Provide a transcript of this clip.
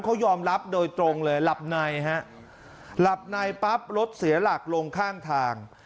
เขายอมรับโดยตรงเลยหลับในฮะหลับในปั๊บรถเสียหลักลงข้างทาง